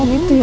oh gitu ya